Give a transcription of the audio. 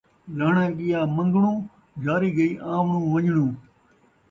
لہݨاں ڳیا من٘گݨوں ، یاری ڳئی آوݨوں ون٘ڄݨوں